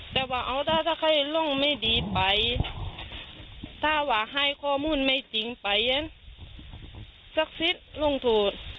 แต่ว่าเอาถ้าถ้าใครลงไม่ดีไปถ้าว่าให้ข้อมูลไม่จริงไปสักฟิตลงโทษ